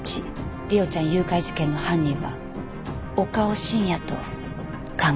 梨央ちゃん誘拐事件の犯人は岡尾芯也と考えられます。